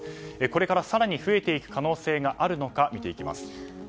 これから更に増えていく可能性があるのか見ていきます。